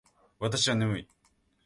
私は眠い